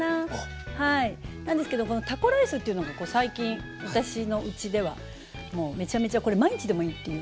はいなんですけどこのタコライスっていうのが最近私のうちではもうめちゃめちゃこれ毎日でもいいっていうぐらい。